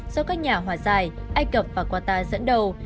do các nhà hòa giải ai cập và qatar dẫn đầu